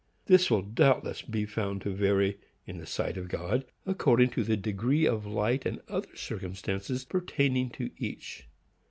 This will doubtless be found to vary, in the sight of God, according to the degree of light and other circumstances pertaining to each.